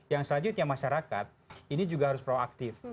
yang selanjutnya masyarakat ini juga harus proaktif